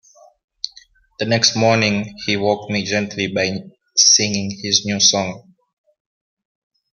The next morning he woke me gently by singing his new song.